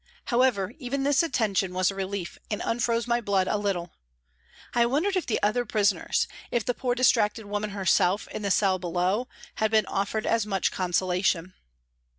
However, even this attention was a relief and unfroze my blood a little. I wondered if the other prisoners, if the poor dis tracted woman herself in the cell below, had been offered as much consolation.